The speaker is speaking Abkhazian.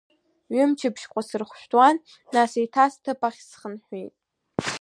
Ҩы-мчыбжьаҟа сырхәшәтәуан, нас еиҭа сҭыԥ ахь схынҳәит.